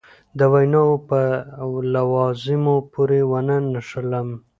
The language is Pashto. د ویناوو په لوازمو پورې ونه نښلم.